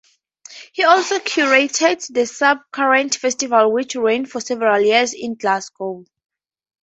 He also curated the Subcurrent festival, which ran for several years in Glasgow.